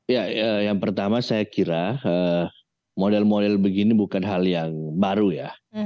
ya yang pertama saya kira model model begini bukan hal yang baru ya